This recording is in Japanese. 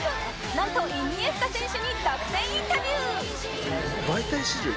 なんとイニエスタ選手に独占インタビュー！